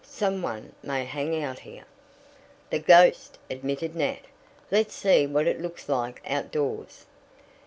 Some one may hang out here." "The ghost," admitted Nat. "Let's see what it looks like outdoors."